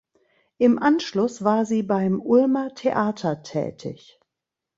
Im Anschluss war sie beim Ulmer Theater tätig.